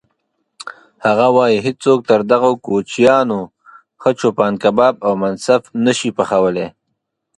هغه وایي: هیڅوک تر دغو کوچیانو ښه چوپان کباب او منسف نه شي پخولی.